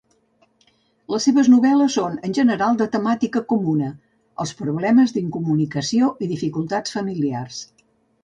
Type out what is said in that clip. Les seves novel·les són, en general, de temàtica comuna: els problemes d'incomunicació i dificultats familiars.